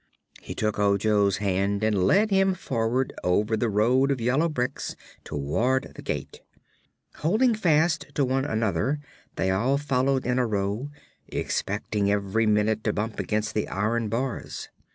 He took Ojo's hand and led him forward over the road of yellow bricks, toward the gate. Holding fast to one another they all followed in a row, expecting every minute to bump against the iron bars.